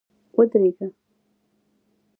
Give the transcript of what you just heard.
ودرېږه !